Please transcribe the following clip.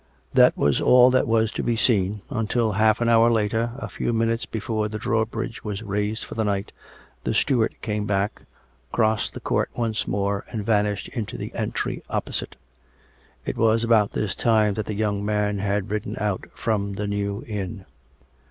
That was all that was to be seen, until half an hour later, a few minutes before the drawbridge was raised for the night, the steward came back, crossed the court once more and vanished into the entry opposite. It was about this time that the young man had ridden out from the New Inn.